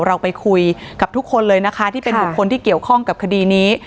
เราไปคุยกับทุกคนเลยนะคะที่เป็นบุคคลที่เกี่ยวข้องกับคดีนี้